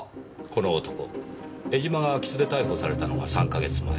この男江島が空き巣で逮捕されたのが３か月前。